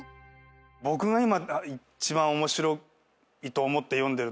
僕が今一番面白いと思って読んでるのが。